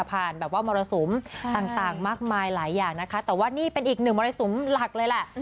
แบบว่ามรสุมต่างมากมายหลายอย่างนะคะแต่ว่านี่เป็นอีกหนึ่งมรสุมหลักเลยแหละ